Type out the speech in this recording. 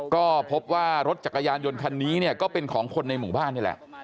ก็พบว่ารถจักรยานยนต์คันนี้เนี่ยก็เป็นของคนในหมู่บ้านนี่แหละ